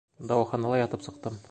Дауаханала ятып сыҡтым.